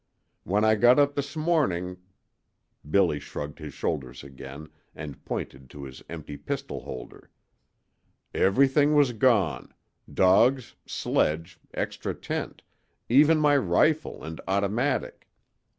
When I got up this morning " Billy shrugged his shoulders again and pointed to his empty pistol holster. "Everything was gone dogs, sledge, extra tent, even my rifle and automatic.